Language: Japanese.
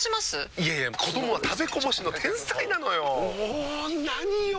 いやいや子どもは食べこぼしの天才なのよ。も何よ